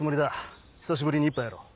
久しぶりに一杯やろう。